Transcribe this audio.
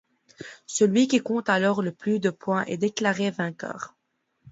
Celui qui compte alors le plus de points est déclaré vainqueur.